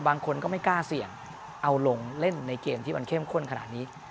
บางคนก็ไม่กล้าเสี่ยงเอาลงเล่นในเกมที่มันเข้มข้นขนาดนี้